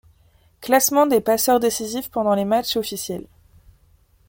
Classement des passeurs décisifs pendant les matchs officiels.